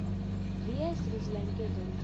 Vi estros la enketon.